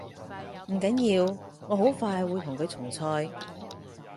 唔緊要，我好快會同佢重賽